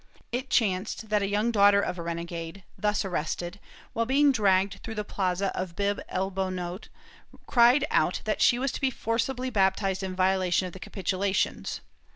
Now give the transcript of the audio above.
It chanced that a young daughter of a renegade, thus arrested, while being dragged through the plaza of Bib el Bonut, cried out that she was to be forcibly baptized in violation of the capitula tions.